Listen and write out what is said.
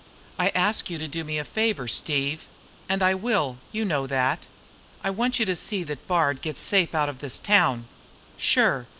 "I asked you to do me a favour, Steve." "And I will. You know that." "I want you to see that Bard gets safe out of this town." "Sure.